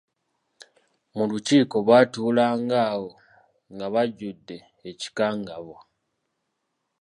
Mu lukiiko baatuulanga awo nga bajjudde ekikangabwa.